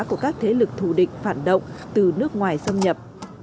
của các thế lực thù địch phản động từ nước ngoài xâm nhập